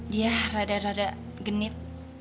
dia rada rada genit